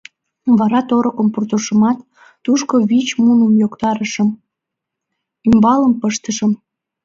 Вара торыкым пуртышымат, тушко вич муным йоктарышым, ӱмбалым пыштышым.